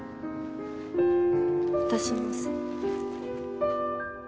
私のせい。